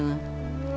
うわ。